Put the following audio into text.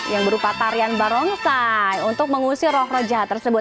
yang berupa tarian barongsai untuk mengusir roh roh jahat tersebut